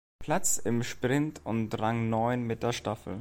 Platz im Sprint und Rang neun mit der Staffel.